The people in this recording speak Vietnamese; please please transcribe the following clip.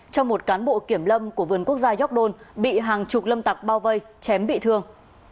trong một cán bộ kiểm lâm của vườn quốc gia gióc đôn bị hàng chục lâm tặc bao vây chém bị thương